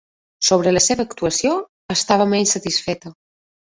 Sobre la seva actuació, estava menys satisfeta.